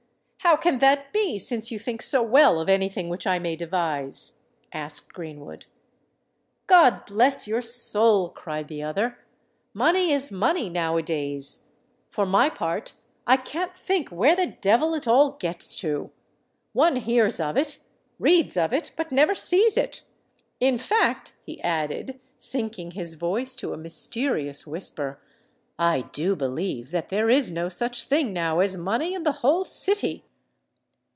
How can that be, since you think so well of any thing which I may devise?" asked Greenwood. "God bless your soul!" cried the other; "money is money now a days. For my part I can't think where the devil it all gets to! One hears of it—reads of it—but never sees it! In fact," he added, sinking his voice to a mysterious whisper, "I do believe that there is no such thing now as money in the whole City."